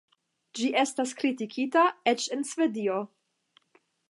Ĝi estas kritikita eĉ en Svedio.